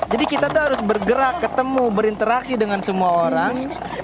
jadi kita tuh harus bergerak ketemu berinteraksi dengan semua orang